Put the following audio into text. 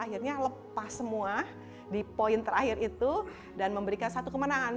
akhirnya lepas semua di poin terakhir itu dan memberikan satu kemenangan